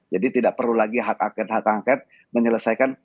jadi tidak perlu lagi hak angket hak angket menyelesaikan